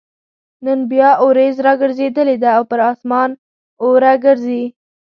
نن بيا اوريځ راګرځېدلې ده او پر اسمان اوره ګرځي